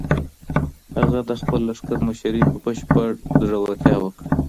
هغه د خپل لښکر مشري په بشپړ زړورتیا وکړه.